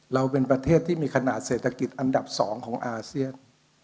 เราเป็นประเทศที่มีขนาดเศรษฐกิจอันดับ๒ของอาเซียน